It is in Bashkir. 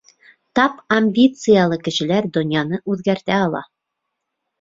Тап амбициялы кешеләр донъяны үҙгәртә ала.